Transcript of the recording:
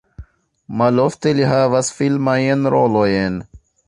Malofte li havis filmajn rolojn.